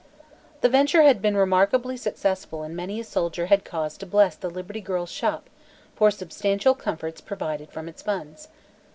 The venture had been remarkably successful and many a soldier had cause to bless the Liberty Girls' Shop for substantial comforts provided from its funds.